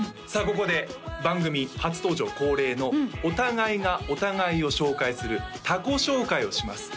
ここで番組初登場恒例のお互いがお互いを紹介する他己紹介をします